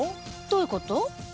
どういうこと？